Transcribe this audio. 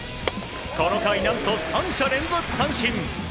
この回何と３者連続三振。